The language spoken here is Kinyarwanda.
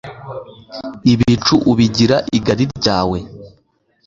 ibicu ubigira igari ryawe